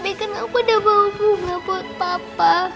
tapi kan aku ada bau bunga buat papa